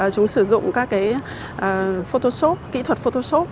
chúng sử dụng các cái photoshop kỹ thuật photoshop